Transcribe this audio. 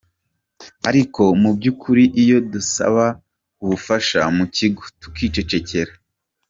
ariko mu byukuri iyo tudasaba ubufasha mu kigo, tukicecekera,.